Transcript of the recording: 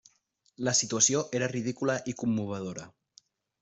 La situació era ridícula i commovedora.